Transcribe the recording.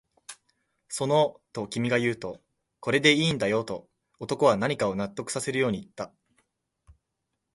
その、と君が言うと、これでいいんだよ、と男は何かを納得させるように言った